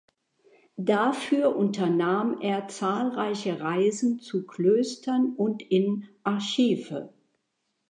Dafür unternahm er zahlreiche Reisen zu Klöstern und in Archive.